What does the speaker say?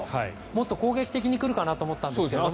もっと攻撃的に来るかなと思ったんですけど